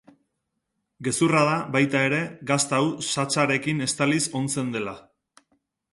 Gezurra da, baita ere, gazta hau satsarekin estaliz ontzen dela.